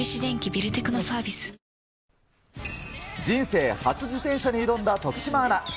人生初自転車に挑んだ徳島アナ。